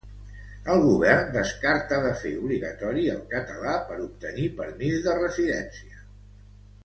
El govern espanyol descarta de fer obligatori el català per obtenir permís de residència